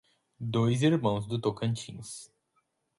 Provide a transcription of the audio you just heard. Dois Irmãos do Tocantins